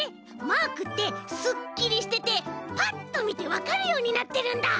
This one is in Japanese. マークってすっきりしててパッとみてわかるようになってるんだ！